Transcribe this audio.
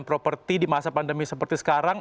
properti di masa pandemi seperti sekarang